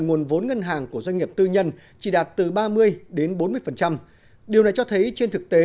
nguồn vốn ngân hàng của doanh nghiệp tư nhân chỉ đạt từ ba mươi đến bốn mươi điều này cho thấy trên thực tế